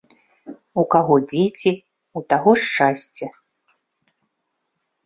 У каго дзеці, у таго шчасце